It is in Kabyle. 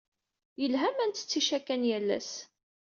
Yelha ma ntett icakan yal ass.